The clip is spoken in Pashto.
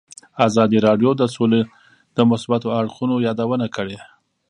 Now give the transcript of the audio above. ازادي راډیو د سوله د مثبتو اړخونو یادونه کړې.